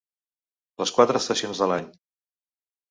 Les quatre estacions de l'any.